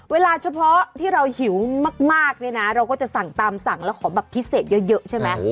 เวลาเฉพาะที่เราหิวมากเนี่ยนะเราก็จะสั่งตามสั่งแล้วขอแบบพิเศษเยอะใช่ไหม